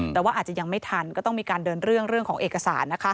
แต่ว่าอาจจะยังไม่ทันก็ต้องมีการเดินเรื่องของเอกสาร